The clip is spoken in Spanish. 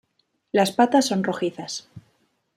Las patas son rojizas.